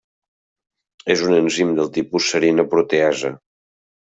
És un enzim, del tipus serina proteasa.